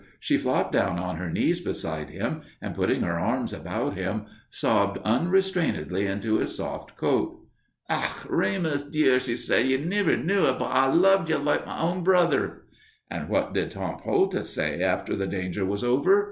She flopped down on her knees beside him, and putting her arms about him, sobbed unrestrainedly into his soft coat. "Ach, Remus, dear," she cried, "ye niver knew it, but I loved ye like me own brother." And what did Tom Poultice say after the danger was over?